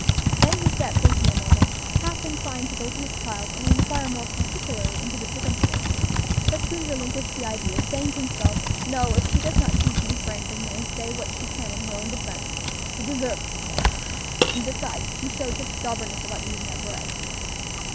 Then he sat thinking a moment, half inclined to go to his child and inquire more particularly into the circumstances, but soon relinquished the idea, saying to himself, "No; if she does not choose to be frank with me, and say what she can in her own defence, she deserves to suffer; and besides, she showed such stubbornness about eating that bread."